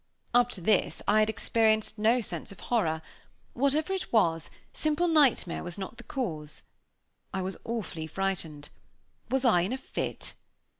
Up to this I had experienced no sense of horror. Whatever it was, simple night mare was not the cause. I was awfully frightened! Was I in a fit?